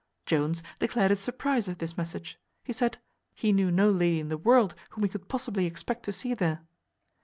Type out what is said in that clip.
Jones declared his surprize at this message. He said, "He knew no lady in the world whom he could possibly expect to see there."